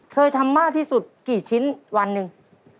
เคยทำมากที่สุดกี่ชิ้นวันหนึ่ง